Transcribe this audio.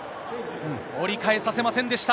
折り返させませんでした。